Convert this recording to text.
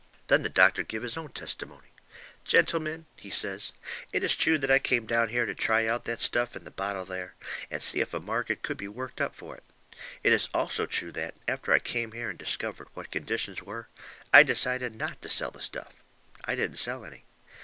Then the doctor give his own testimony. "Gentlemen," he says, "it is true that I came down here to try out that stuff in the bottle there, and see if a market could be worked up for it. It is also true that, after I came here and discovered what conditions were, I decided not to sell the stuff. I didn't sell any.